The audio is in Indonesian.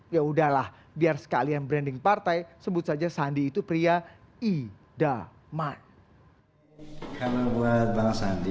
yaudahlah biar sekalian branding partai sebut saja sandi itu pria i'da mat kalau buat bang sandi